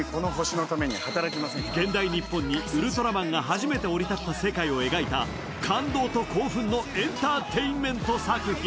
現代日本にウルトラマンが初めて降り立った世界を描いた感動と興奮のエンターテインメント作品。